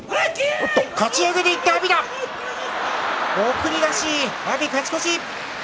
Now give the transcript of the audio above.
送り出し、阿炎、勝ち越し。